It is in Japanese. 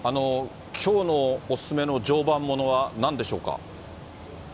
きょうのお勧めの常磐ものはなんでしょうか？